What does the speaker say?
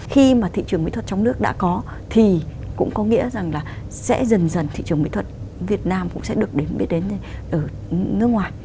khi mà thị trường mỹ thuật trong nước đã có thì cũng có nghĩa rằng là sẽ dần dần thị trường mỹ thuật việt nam cũng sẽ được biết đến ở nước ngoài